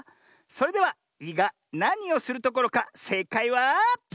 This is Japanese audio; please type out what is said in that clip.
それでは「い」がなにをするところかせいかいは。